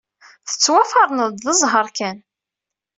Tettwaferneḍ-d d zzheṛ kan.